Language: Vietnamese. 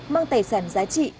mang tài sản giá trị